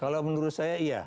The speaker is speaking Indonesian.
kalau menurut saya iya